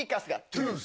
トゥース。